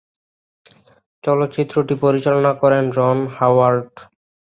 চলচ্চিত্রটি পরিচালনা করেন রন হাওয়ার্ড।